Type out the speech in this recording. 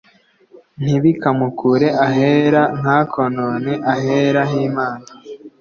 ntibikamukure ahera ntakonone ahera h imana